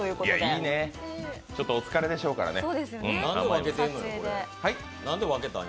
いいねえ、ちょっとお疲れでしょうからね。